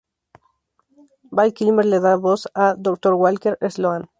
Val Kilmer le da voz a Dr. Walker Sloan.